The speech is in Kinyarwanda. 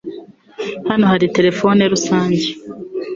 Hano hari terefone rusange.